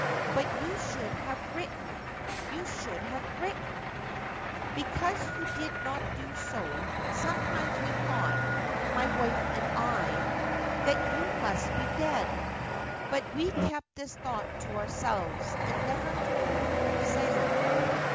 But you should have written — you should have written ! Because you did not do so, sometimes we thought, my wife and I, that you must be dead ; but we kept this thought to ourselves, and never told Ko San.